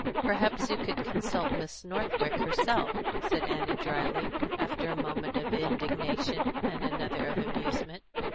"Perhaps you could consult Miss Northwick herself," said Annie dryly, after a moment of indignation, and another of amusement.